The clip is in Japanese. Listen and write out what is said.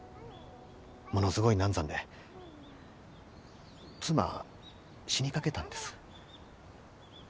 ものすごい難産で妻死にかけたんです。